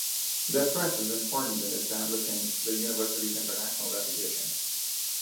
The Press was important in establishing the university's international reputation.